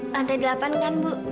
lantai delapan kan bu